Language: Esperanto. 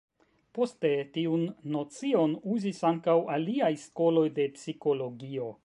Poste tiun nocion uzis ankaŭ aliaj skoloj de psikologio.